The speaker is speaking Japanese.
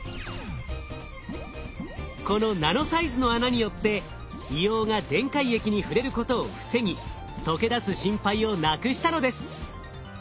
このナノサイズの穴によって硫黄が電解液に触れることを防ぎ溶け出す心配をなくしたのです。